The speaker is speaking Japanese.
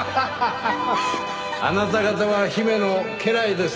あなた方は姫の家来ですね。